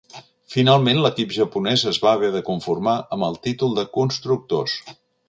Finalment l'equip japonès es va haver de conformar amb el títol de constructors.